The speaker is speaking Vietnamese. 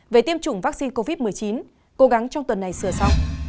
về tiêm chủng vaccine covid một mươi chín cố gắng trong tuần này sửa sau